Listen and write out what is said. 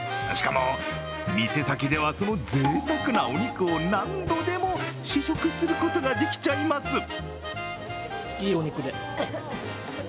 しかも、店先ではそのぜいたくなお肉を何度でも試食することができちゃいます。